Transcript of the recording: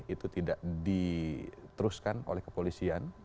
itu tidak diteruskan oleh kepolisian